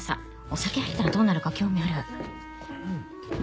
お酒入ったらどうなるか興味ある。